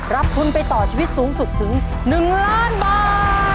รับทุนไปต่อชีวิตสูงสุดถึง๑ล้านบาท